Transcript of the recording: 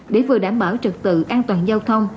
để vừa đảm bảo trực tự an toàn giao thông